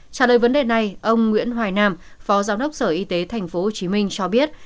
trả lời vấn đề này ông nguyễn hoài nam phó giám đốc sở y tế tp hcm cho biết